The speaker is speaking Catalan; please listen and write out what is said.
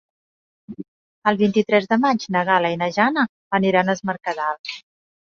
El vint-i-tres de maig na Gal·la i na Jana aniran a Es Mercadal.